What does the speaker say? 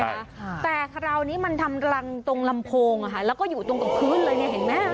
ค่ะแต่คราวนี้มันทำรังตรงลำโพงอ่ะค่ะแล้วก็อยู่ตรงกับพื้นเลยเนี่ยเห็นไหม